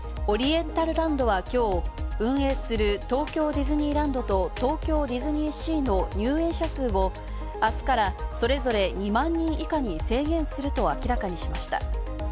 オリエンタルランドは、きょう、運営する東京ディズニーランドと東京ディズニーシーの入園者数をあすからそれぞれ２万人以下に制限すると明らかにしました。